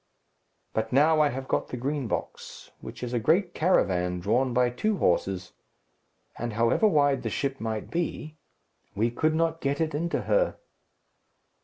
"But now I have got the Green Box, which is a great caravan drawn by two horses, and however wide the ship might be, we could not get it into her."